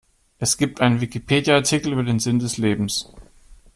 Es gibt einen Wikipedia-Artikel über den Sinn des Lebens.